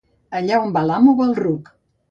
Allà on va l'amo va el ruc.